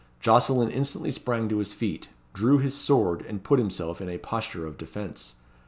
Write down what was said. Jocelyn instantly sprang to his feet, drew his sword, and put himself in a posture of defence.